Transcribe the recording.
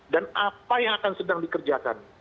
dan apa yang akan sedang dikerjakan